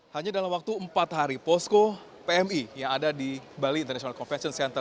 hanya dalam waktu empat hari posko pmi yang ada di bali international convention center